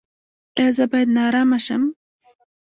ایا زه باید نارامه شم؟